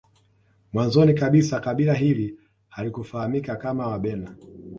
Mwanzoni kabisa kabila hili halikufahamika kama Wabena